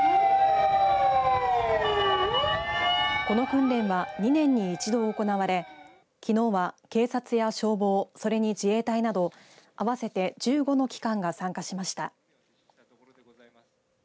この訓練は、２年に１度行われきのうは警察や消防それに自衛隊など合わせて１５の機関が参加しました。